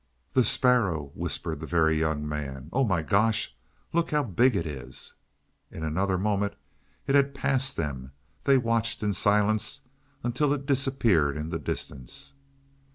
"The sparrow," whispered the Very Young Man. "Oh, my gosh, look how big it is!" In another moment it had passed them; they watched in silence until it disappeared in the distance.